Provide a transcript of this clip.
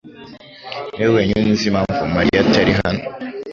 niwe wenyine uzi impamvu Mariya atari hano.